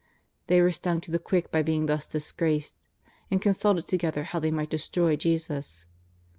They were stung to the quick by being thus disgraced, and consulted together how they might destroy Jesus.